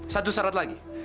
satu syarat lagi